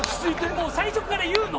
もう最初から言うの？